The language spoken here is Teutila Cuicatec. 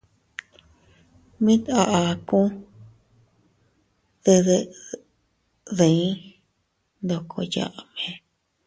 Mit a akuu de deʼe diin ndoko yaʼme.